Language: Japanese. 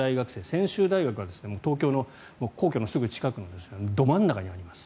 専修大学は東京の皇居のすぐ近くのど真ん中にあります。